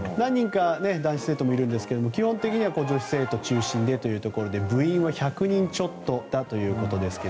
男子生徒もいるんですが基本的には女子生徒が中心で部員は１００人ちょっとだということですが。